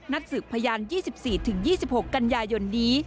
สืบพยาน๒๔๒๖กันยายนนี้